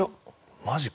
マジか。